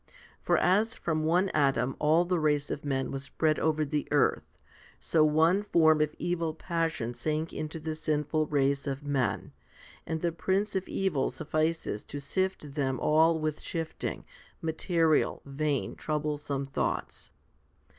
For as from one Adam all the race of men was spread over the earth, so one form of evil passion sank into the sinful race of men, and the prince of evil suffices to sift them all with shifting, material, vain, troublesome thoughts.